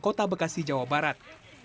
kota bekasi jawa barat